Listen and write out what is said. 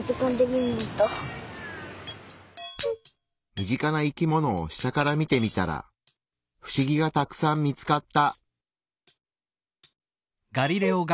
身近な生き物を下から見てみたらフシギがたくさん見つかった。